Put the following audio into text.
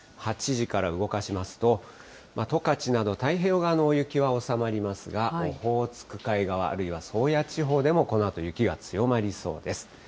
８時から動かしますと、十勝など、太平洋側の大雪は収まりますが、オホーツク海側、あるいは宗谷地方でもこのあと、雪が強まりそうです。